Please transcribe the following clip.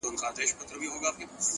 o پسله كلونه چي جانان تـه ورځـي؛